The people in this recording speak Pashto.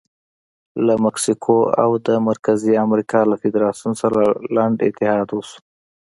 له مکسیکو او د مرکزي امریکا له فدراسیون سره لنډ اتحاد وشو.